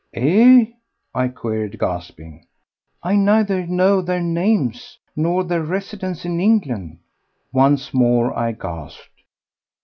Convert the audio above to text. "Eh?" I queried, gasping. "I neither know their names nor their residence in England." Once more I gasped.